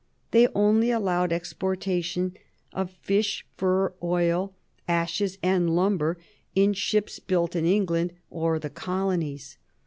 They only allowed exportation of fish, fur, oil, ashes, and lumber in ships built in England or the colonies.